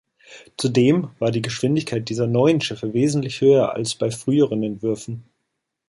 Zudem war die Geschwindigkeit dieser neuen Schiffe wesentlich höher als bei früheren Entwürfen.